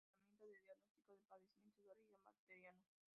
Sirve como herramienta de diagnóstico de padecimientos de origen bacteriano.